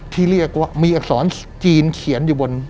ที่เรียกว่ามีอักษรจีนเขียนอยู่บน